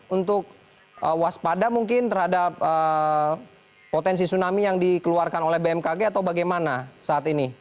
untuk waspada mungkin terhadap potensi tsunami yang dikeluarkan oleh bmkg atau bagaimana saat ini